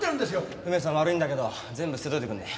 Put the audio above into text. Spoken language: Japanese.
梅さん悪いんだけど全部捨てといてくんねえ？